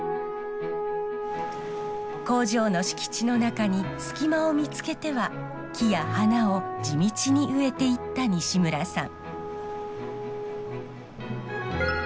工場の敷地の中に隙間を見つけては木や花を地道に植えていった西村さん。